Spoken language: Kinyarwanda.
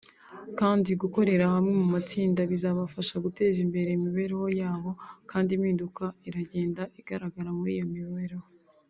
kandi gukorera hamwe mu matsinda bizabafasha guteza imbere imibereho yabo kandi impinduka iragenda igaragara muri iyo mibereho”